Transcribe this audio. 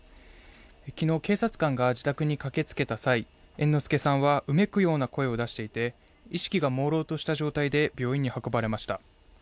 昨日、警察官が自宅に駆けつけた際猿之助さんはうめくような声を出していて意識がもうろうとした状態で病院に運ばれました。